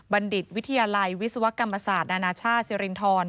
ณดิตวิทยาลัยวิศวกรรมศาสตร์นานาชาติสิรินทร